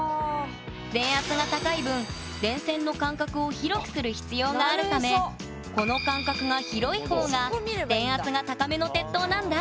電圧が高い分電線の間隔を広くする必要があるためこの間隔が広い方が電圧が高めの鉄塔なんだ！